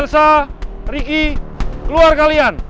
erosa riki clara kalian keluar putihnya akan menyerahkan diri